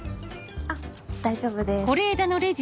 あっ大丈夫です。